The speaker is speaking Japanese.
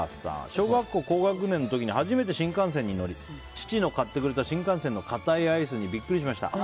小学校高学年の時に初めて新幹線に乗り父の買ってくれた新幹線の硬いアイスにビックリしました。